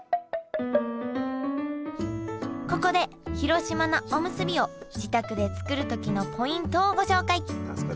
ここで広島菜おむすびを自宅で作る時のポイントをご紹介。